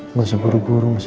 masa buru buru masih tau